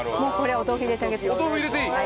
お豆腐入れていい？